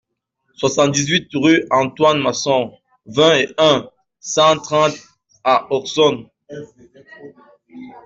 soixante-dix-huit rue Antoine Masson, vingt et un, cent trente à Auxonne